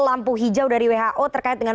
lampu hijau dari who terkait dengan